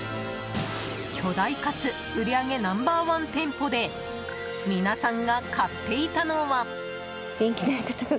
巨大かつ売り上げナンバー１店舗で皆さんが買っていたのは。